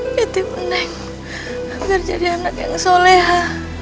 ditip eneng agar jadi anak yang soleha